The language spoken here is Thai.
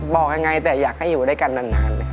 บอกยังไงแต่อยากให้อยู่ด้วยกันนาน